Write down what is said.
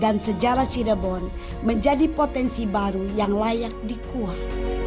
dan sejarah cirebon menjadi potensi baru yang layak dikuat